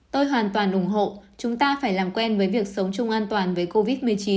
tôi hoàn toàn ủng hộ chúng ta phải làm quen với việc sống chung an toàn với covid một mươi chín